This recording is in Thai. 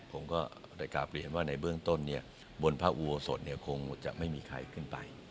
ผมก็ได้กลับเรียนว่าในเบื้องต้นเนี่ยบนพระอุโบสถคงจะไม่มีใครขึ้นไป